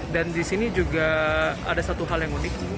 dan di sini juga ada satu hal yang unik